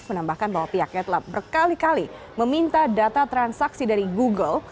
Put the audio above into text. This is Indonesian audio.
menambahkan bahwa pihaknya telah berkali kali meminta data transaksi dari google